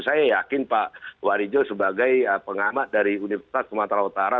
saya yakin pak warijo sebagai pengamat dari universitas sumatera utara